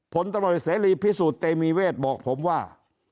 ผลตำรวจเสรีพิสูจนเตมีเวทบอกผมว่า